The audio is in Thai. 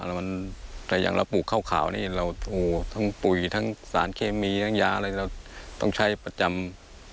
สำหรับปลูกข้าวผู้ปลูกทั้งปุ๋ยสารเคมียะต้องใช้ประจำ